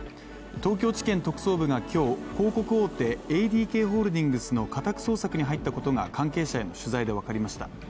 東京地検特捜部が今日、広告大手、ＡＤＫホールディングスの家宅捜索に入ったことが関係者への取材で分かりました。